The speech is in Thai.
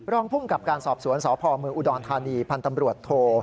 รองภูมิกับการสอบสวนสพเมืองอุดรธานีพันธ์ตำรวจโท